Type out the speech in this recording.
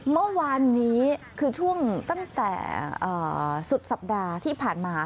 เมื่อวานนี้คือช่วงตั้งแต่สุดสัปดาห์ที่ผ่านมา